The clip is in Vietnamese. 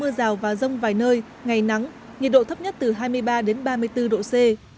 mưa rào và rông vài nơi ngày nắng nhiệt độ thấp nhất từ hai mươi ba đến ba mươi bốn độ c